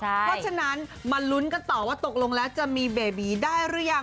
เพราะฉะนั้นมาลุ้นกันต่อว่าตกลงแล้วจะมีเบบีได้หรือยัง